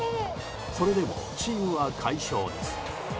それでもチームは快勝です。